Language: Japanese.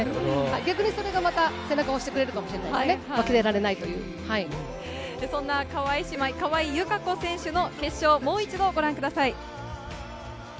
逆にそれがまた背中を押してくれるかもしれないですね、負けられそんな川井姉妹、川井友香子選手の決勝、もう一度ご覧ください。